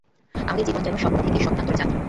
আমাদের জীবন যেন স্বপ্ন থেকে স্বপ্নান্তরে যাত্রা।